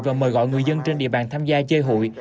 và mời gọi người dân trên địa bàn tham gia chơi hụi